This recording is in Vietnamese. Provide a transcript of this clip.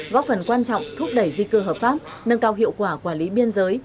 góp phần quan trọng thúc đẩy di cư hợp pháp nâng cao hiệu quả quản lý biên giới